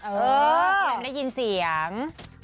เออแกไม่ได้ยินเสียง